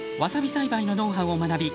栽培のノウハウを学び